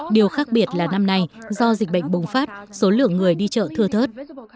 điều khác biệt là năm nay do dịch bệnh bùng phát số lượng người đi chợ thưa thớt